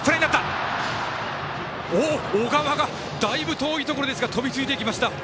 小川が、だいぶ遠いところですが飛びついていきました。